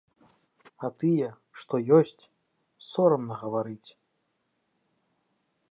А тыя, што ёсць, сорамна гаварыць.